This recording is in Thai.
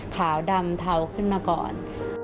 ขาวดำเทาขึ้นมาก่อน